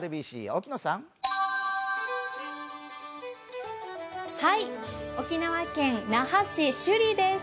沖縄県那覇市首里です。